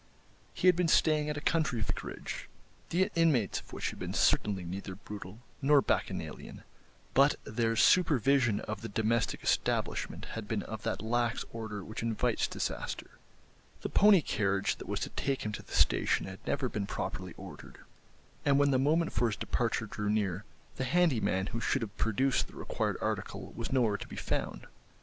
He had been staying at a country vicarage, the inmates of which had been certainly neither brutal nor bacchanalian, but their supervision of the domestic establishment had been of that lax order which invites disaster. The pony carriage that was to take him to the station had never been properly ordered, and when the moment for his departure drew near the handy man who should have produced the required article was nowhere to be found.